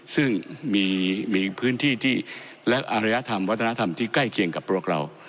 ซึ่งมีพื้นที่ที่และอารยธรรมวัฒนธรรมที่ใกล้เคียงกับพวกเรา